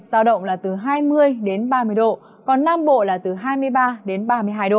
giao động là từ hai mươi đến ba mươi độ còn nam bộ là từ hai mươi ba đến ba mươi hai độ